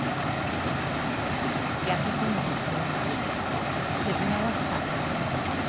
焼け焦げた車に崩れ落ちた建物。